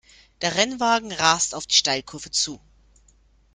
Der Rennwagen rast auf die Steilkurve zu.